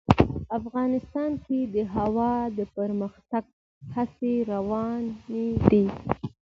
افغانستان کې د هوا د پرمختګ هڅې روانې دي.